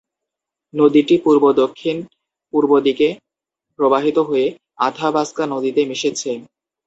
নদীটি পূর্ব-দক্ষিণ পূর্ব দিকে প্রবাহিত হয়ে আথাবাস্কা নদীতে মিশেছে।